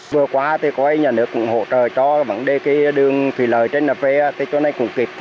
vừa qua thì có cái nhà nước cũng hỗ trợ cho bằng đề kia đường thủy lợi trên nạp ve thì chỗ này cũng kịp